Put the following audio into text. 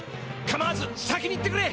かまわず先に行ってくれ！